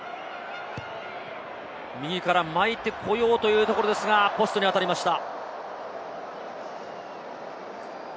右から巻いてこようというところですが、ポストに当たりました。